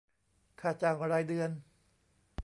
ค่าจ้างรายเดือน